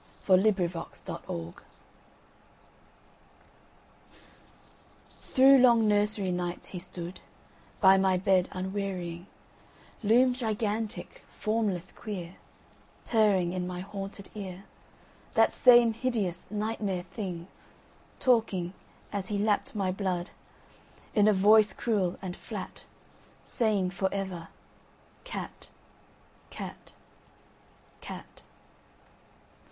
35. A Child's Nightmare THROUGH long nursery nights he stoodBy my bed unwearying, Loomed gigantic, formless, queer, Purring in my haunted earThat same hideous nightmare thing, Talking, as he lapped my blood, In a voice cruel and flat, Saying for ever, "Cat!… Cat!… Cat!